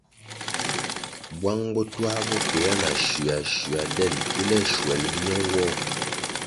Bwang bo twā bo kwea na shua shua den kile shuel ño nwoh.